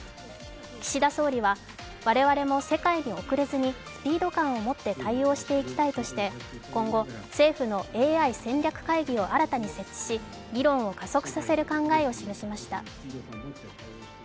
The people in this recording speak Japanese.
岸田総理は、我々も世界に遅れずにスピード感を持って対応していきたいとして今後、政府のＡＩ戦略会議を新たに設置し、議論を加速させる考えを示しました。